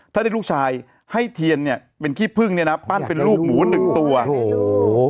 ถ้าได้ลูกชายให้เทียนเนี่ยเป็นขี้พึ่งเนี่ยนะปั้นเป็นลูกหมูหนึ่งตัวโอ้โห